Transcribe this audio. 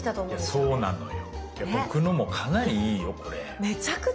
そうなのよ。